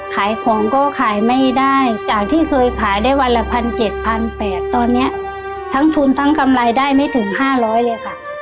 ขายของก็ขายไม่ได้จากที่เคยขายได้วันละ๑๗๘๐๐บาทตอนนี้ทั้งทุนทั้งกำไรได้ไม่ถึง๕๐๐เลยค่ะ